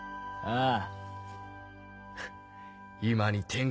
ああ！